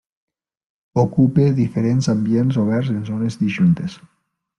Ocupa diferents ambients oberts en zones disjuntes.